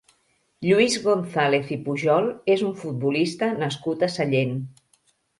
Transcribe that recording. Lluís Gonzàlez i Pujol és un futbolista nascut a Sallent.